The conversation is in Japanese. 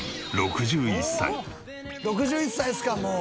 ６１歳ですかもう。